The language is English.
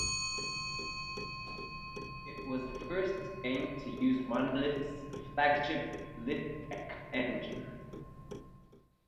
It was the first game to use Monolith's flagship Lithtech engine.